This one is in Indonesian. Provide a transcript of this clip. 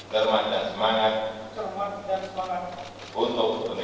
serman dan semangat